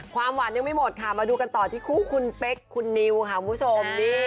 ความหวานยังไม่หมดค่ะมาดูกันต่อที่คู่คุณเป๊กคุณนิวค่ะคุณผู้ชม